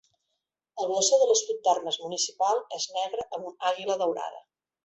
El blasó de l'escut d'armes municipal és negre amb un àguila daurada.